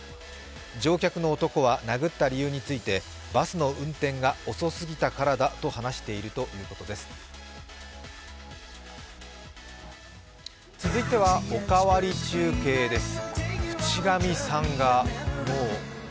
乗客の男は殴った理由について、バスの運転が遅すぎたからだと話しているということです。